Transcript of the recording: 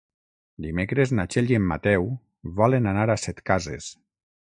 Dimecres na Txell i en Mateu volen anar a Setcases.